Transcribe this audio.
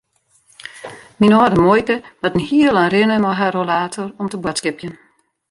Myn âlde muoike moat in heel ein rinne mei har rollator om te boadskipjen.